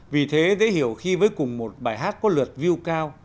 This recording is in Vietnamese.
vì thế dễ hiểu khi với cùng một bài hát có lượt view cao